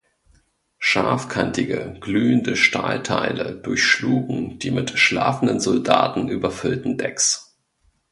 Scharfkantige glühende Stahlteile durchschlugen die mit schlafenden Soldaten überfüllten Decks.